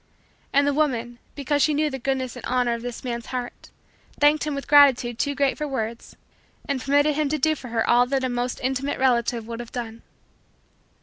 And the woman, because she knew the goodness and honor of this man's heart, thanked him with gratitude too great for words and permitted him to do for her all that a most intimate relative would have done.